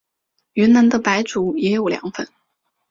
云南的白族也有凉粉。